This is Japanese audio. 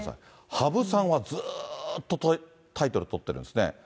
羽生さんはずっとタイトルとってるんですね。